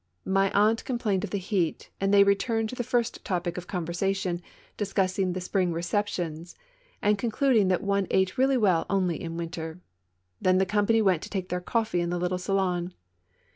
My aunt com plained of the heat, and they returned to the first topic of conversation, discussing the spring receptions and concluding that one ate really Avell only in winter. Then, the company went to take their coffee in the little salon.